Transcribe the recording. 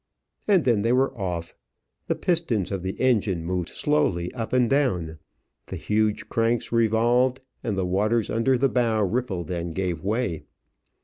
And then they were off. The pistons of the engine moved slowly up and down, the huge cranks revolved, and the waters under the bow rippled and gave way.